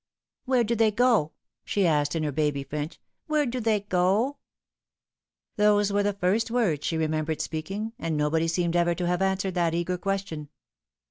" Where do they go?" she asked in her baby French. "Where do they go ?" Those were the first words she remembered speaking, and nobody seemed ever to have answered that eager question.